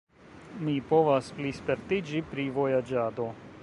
Mi povas plispertiĝi pri vojaĝado.